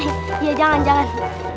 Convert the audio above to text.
iya jangan jangan